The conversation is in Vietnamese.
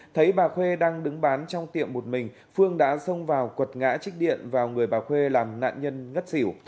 thấy bà khuê đang đứng bán trong tiệm một mình phương đã xông vào quật ngã chích điện vào người bà khuê làm nạn nhân ngất xỉu